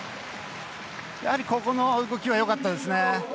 やはりここの動きはよかったですね。